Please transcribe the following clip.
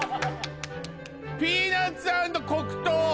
ピーナツ＆黒糖